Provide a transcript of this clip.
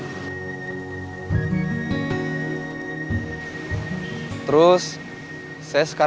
saya tidak bisa mencari penyelesaian